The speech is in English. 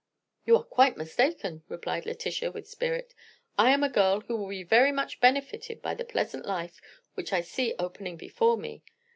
"You are quite mistaken," replied Letitia with spirit. "I am a girl who will be very much benefited by the pleasant life which I see opening before me.